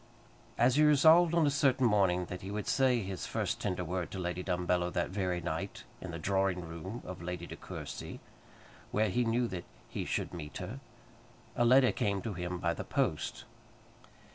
As he resolved on a certain morning that he would say his first tender word to Lady Dumbello that very night, in the drawing room of Lady De Courcy, where he knew that he should meet her, a letter came to him by the post.